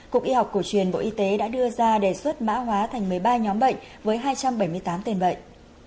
cục y học cổ truyền bộ y tế đã đưa ra đề xuất mã hóa thành một mươi ba nhóm bệnh với hai trăm bảy mươi tám tên bệnh